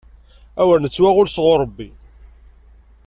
Awer nettwaɣull sɣuṛ Ṛebbi!